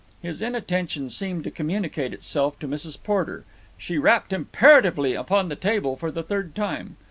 His inattention seemed to communicate itself to Mrs. Porter. She rapped imperatively upon the table for the third time.